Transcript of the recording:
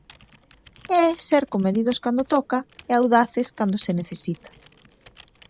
É ser comedidos cando toca e audaces cando se necesita.